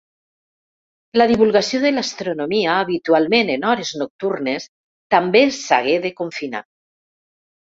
La divulgació de l’astronomia, habitualment en hores nocturnes, també s’hagué de confinar.